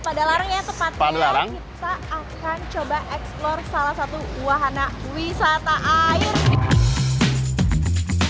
padalarang ya tepatnya padalarang kita akan coba explore salah satu wahana wisata air